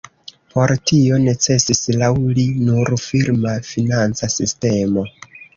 Por tio necesis laŭ li nur firma financa sistemo.